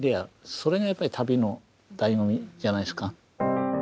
それがやっぱり旅のだいご味じゃないですか。